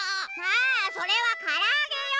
ああそれはからあげよ！